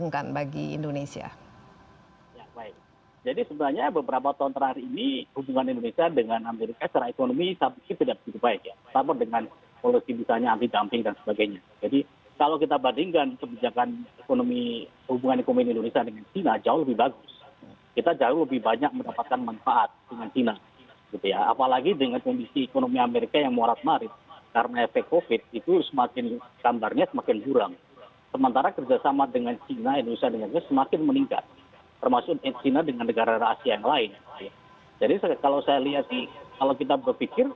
kalau saya sendiri mungkin kalau ditanya yang dijagokan sebagai seorang akademik saya sendiri netral atau tidak memilih